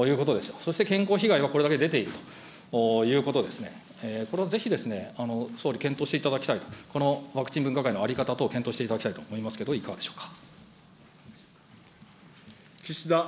そして、健康被害がこれだけ出ているということですね、これはぜひ、総理、検討していただきたいと、このワクチン分科会の在り方等を検討していただきたいと思いますけれども、いかがでしょうか。